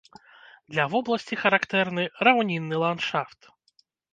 Для вобласці характэрны раўнінны ландшафт.